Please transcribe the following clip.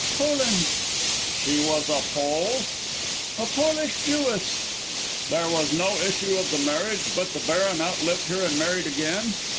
"Poland." "She was a Pole?" "A Polish Jewess." "There was no issue of the marriage, but the Baron outlived her and married again?"